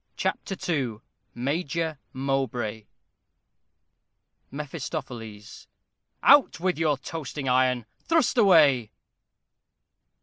CHAPTER II MAJOR MOWBRAY Mephistopheles. Out with your toasting iron! Thrust away!